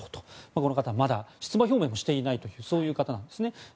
この方まだ出馬表明もしていないそういう方なんですね。